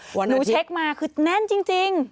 หนูเช็คมาคือแน่นจริง